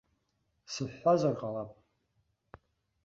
Сыҳәҳәазар ҟалап.